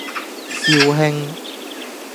肇慶